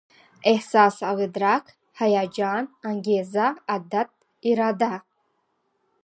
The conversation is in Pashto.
احساس او ادراک، هيجان، انګېزه، عادت، اراده